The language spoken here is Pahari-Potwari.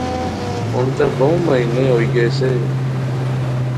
ہن تہ بہوں مہینے ہوئی گئی سے